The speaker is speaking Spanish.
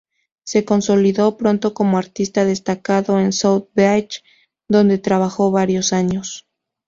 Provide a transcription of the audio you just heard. Se consolidó pronto como artista destacado en South Beach, donde trabajó varios años.